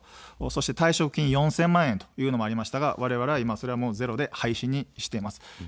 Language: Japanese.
そして退職金４０００万円というのがありましたがわれわれはいま、ゼロで廃止にしています。